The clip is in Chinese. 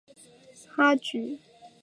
哈局在牡丹江成立铁路分局。